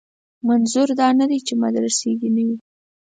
منظور دا نه دی چې مدرسې دې نه وي.